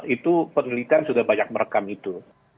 itu penelitian sudah banyak merekam itu